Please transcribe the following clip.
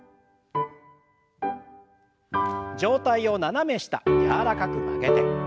上体を斜め下柔らかく曲げて。